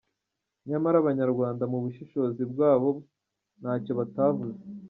Nyamara abanyarwanda mu bushishozi bwa bo nta cyo batavuze.